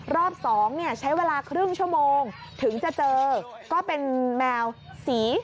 รอบ๒ใช้เวลาครึ่งชั่วโมงถึงจะเจอก็เป็นแมวสี